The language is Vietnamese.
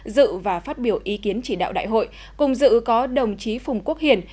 dự và phát biểu ý kiến chỉ đạo đại hội cùng dự có đồng chí phùng quốc hiển